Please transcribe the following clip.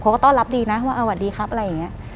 เขาก็ต้อนรับดีนะว่าสวัสดีครับอะไรอย่างนี้